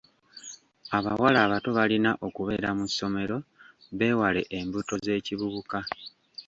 Abawala abato balina okubeera mu ssomero beewale embuto z'ekibubuka.